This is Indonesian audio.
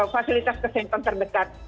fasilitas kesentang terdekat